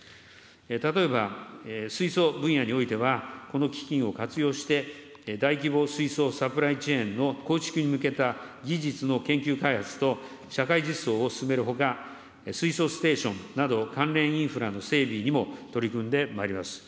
例えば水素分野においては、この基金を活用して、大規模水素サプライチェーンの構築に向けた技術の研究開発と社会実装を進めるほか、水素ステーションなど、関連インフラの整備にも取り組んでまいります。